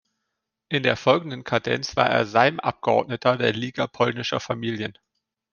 In der folgenden Kadenz war er Sejm-Abgeordneter der Liga Polnischer Familien.